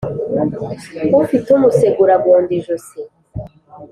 Ufite umusegura agonda ijosi.